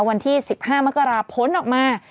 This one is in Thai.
วันที่๑๕มกราคมพ้นออกมา